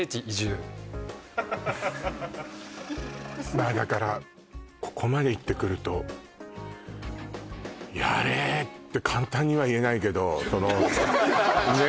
まあだからここまでいってくるとやれって簡単には言えないけどね